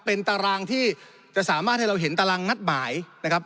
เป็นตารางที่จะสามารถให้เราเห็นตารางนัดหมายนะครับ